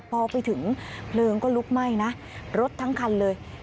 พอไปถึงเพลิงก็ลุกไหม้นะรถทั้งคันเลย